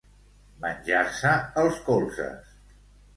Menjar-se els colzes.